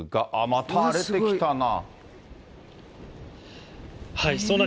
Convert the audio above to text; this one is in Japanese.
また荒れてきたな。